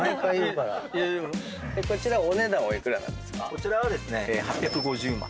こちらはですね８５０万。